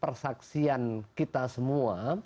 persaksian kita semua